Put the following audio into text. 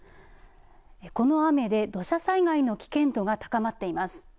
この雨で土砂災害の危険度が高まっています。